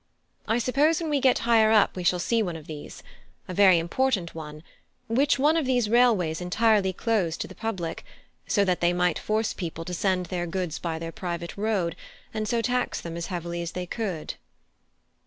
I suppose when we get higher up we shall see one of these; a very important one, which one of these railways entirely closed to the public, so that they might force people to send their goods by their private road, and so tax them as heavily as they could."